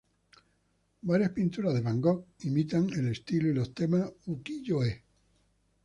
Varias pinturas de Van Gogh imitan el estilo y los temas "ukiyo-e".